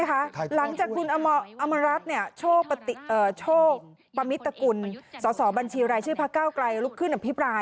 หลังจากคุณอำรัฐโชคประมิตนศาสกุล